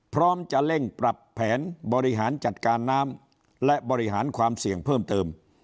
พร้อมจะเร่งปรับแผนบริหารจัดการน้ำและบริหารความเสี่ยงเพิ่มเติม